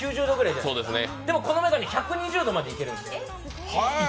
でも、この眼鏡１２０度までいけるんですよ。